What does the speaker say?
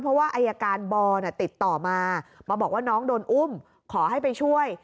เพราะว่าอายการบอติดต่อมามาบอกว่าน้องโดนอุ้มขอให้ไปช่วย